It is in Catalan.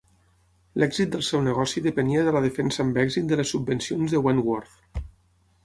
L'èxit del seu negoci depenia de la defensa amb èxit de les subvencions de Wentworth.